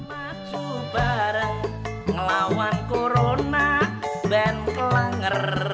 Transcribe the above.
matut subahduun melawan corona band klanger